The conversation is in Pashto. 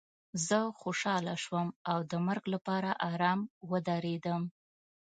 زه خوشحاله شوم او د مرګ لپاره ارام ودرېدم